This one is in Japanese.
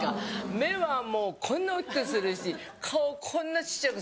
目はもうこんな大きくするし顔こんな小っちゃくする。